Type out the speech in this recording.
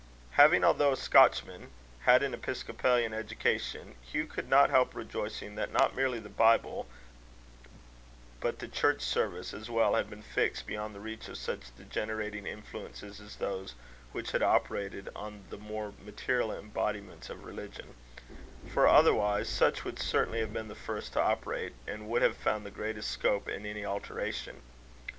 Having, although a Scotchman, had an episcopalian education, Hugh could not help rejoicing that not merely the Bible, but the Church service as well, had been fixed beyond the reach of such degenerating influences as those which had operated on the more material embodiments of religion; for otherwise such would certainly have been the first to operate, and would have found the greatest scope in any alteration.